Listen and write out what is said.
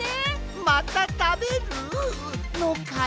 またたべる？のかね！？